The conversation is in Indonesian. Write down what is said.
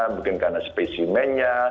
mungkin karena spesimennya